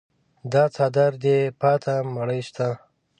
دا څادر دې پاته مړی شته.